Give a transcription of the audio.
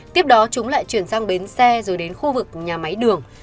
tiếp đó chúng lại chuyển sang bến xe rồi đến khu vực nhà máy đường